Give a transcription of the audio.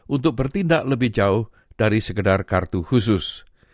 untuk bertindak lebih jauh dari sekedar kartu khusus